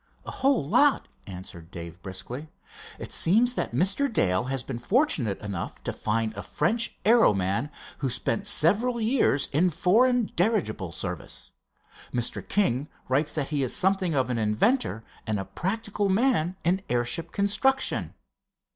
"A whole lot," answered Dave, briskly. "It seems that Mr. Dale has been fortunate enough to find a French aero man who spent several years in foreign dirigible service. Mr. King writes that he is something of an inventor and a practical man in airship construction."